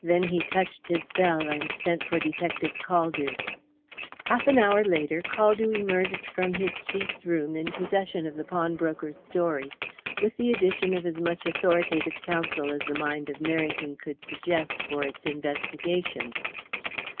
Then he touched his bell and sent for Detective Caldew. Half an hour later Caldew emerged from his chief's room in possession of the pawnbroker's story, with the addition of as much authoritative counsel as the mind of Merrington could suggest for its investigation.